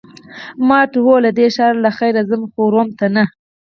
ما ورته وویل: هو، له دې ښاره له خیره ځم، خو روم ته نه.